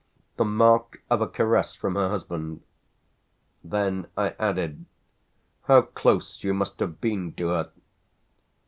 "The mark of a caress from her husband." Then I added: "How close you must have been to her!"